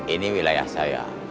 ini wilayah saya